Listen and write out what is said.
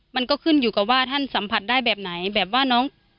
มันก็ขึ้นอยู่กับว่าท่านสัมผัสได้แบบไหน